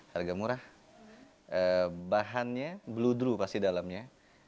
harga murah bahannya blue drew pasti dalamnya